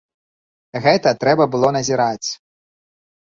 Гэта трэба было назіраць!